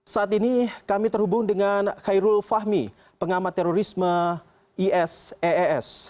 saat ini kami terhubung dengan khairul fahmi pengamat terorisme isees